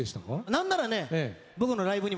何ならね。